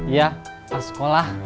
iya tas sekolah